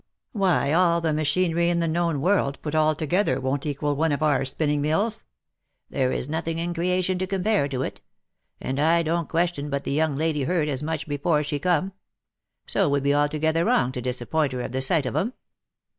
Why all the machinery in the known world put all together won't equal one of our spinning mills. There is nothing in creation to compare to it ; and I don't question but the young lady heard as much before she come. So it would be altogether wrong to disappoint her of the sight of 'em."